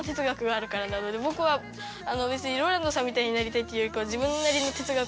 僕は別にＲＯＬＡＮＤさんみたいになりたいっていうよりかは。